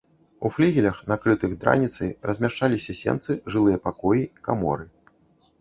У флігелях, накрытых драніцай, размяшчаліся сенцы, жылыя пакоі, каморы.